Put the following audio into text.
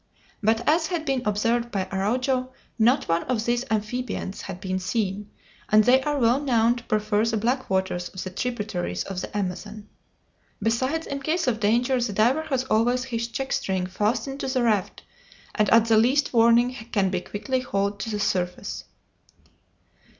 But, as had been observed by Araujo, not one of these amphibians had been seen, and they are well known to prefer the black waters of the tributaries of the Amazon. Besides, in case of danger, the diver has always his check string fastened to the raft, and at the least warning can be quickly hauled to the surface.